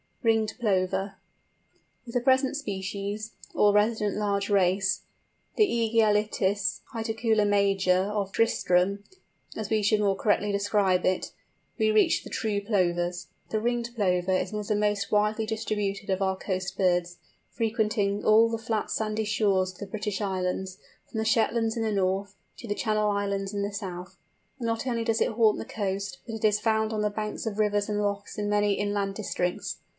RINGED PLOVER. With the present species—or resident large race, the Ægialitis hiaticula major of Tristram, as we should more correctly describe it—we reach the true Plovers. The Ringed Plover is one of the most widely distributed of our coast birds, frequenting all the flat sandy shores of the British Islands, from the Shetlands, in the north, to the Channel Islands, in the south. And not only does it haunt the coast, but it is found on the banks of rivers and lochs in many inland districts.